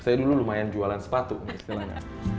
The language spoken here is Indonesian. saya dulu lumayan jualan sepatu istilahnya